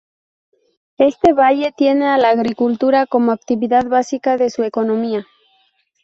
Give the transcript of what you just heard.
Este valle tiene a la agricultura como actividad básica de su economía.